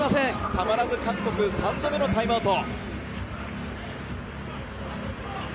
たまらず韓国３度目のタイムアウト。